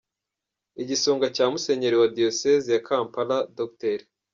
Igisonga cya Musenyeri wa Diyosezi ya Kampala, Dr.